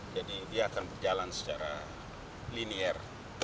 jadi dia akan berjalan secara linier